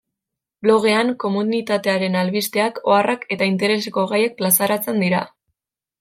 Blogean komunitatearen albisteak, oharrak eta intereseko gaiak plazaratzen dira.